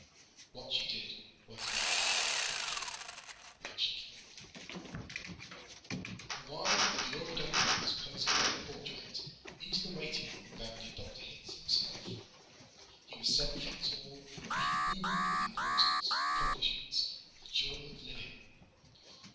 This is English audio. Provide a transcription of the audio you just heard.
What she did was make people comfortable while she killed them. And, while Leora Duncan was posing for her portrait, into the waitingroom bounded Dr. Hitz himself. He was seven feet tall, and he boomed with importance, accomplishments, and the joy of living.